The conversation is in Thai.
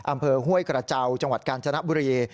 อำเภอห้วยกระเจ้าจังหวัดกาญจนบุรี